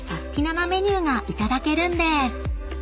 なメニューがいただけるんです］